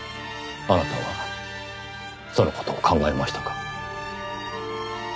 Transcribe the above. あなたはその事を考えましたか？